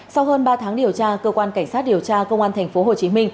sau hơn ba tháng điều tra cơ quan cảnh sát điều tra công an tp hcm